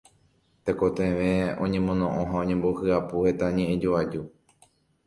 tekotevẽ oñemono'õ ha oñembohyapu heta ñe'ẽjoaju.